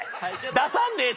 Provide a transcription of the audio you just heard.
出さんでええ